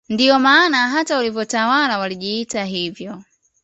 Ndio maana hata walivyotawala walijiita hivyo